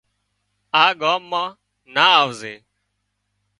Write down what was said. آ ڳام مان نا آوزي